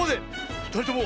ふたりとも